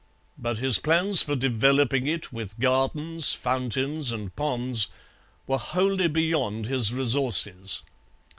But his plans for developing it, with gardens, fountains, and ponds, were wholly beyond his resources.